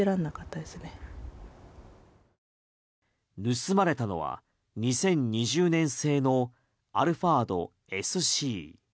盗まれたのは２０２０年製のアルファードＳＣ。